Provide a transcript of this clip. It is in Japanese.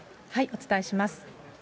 お伝えします。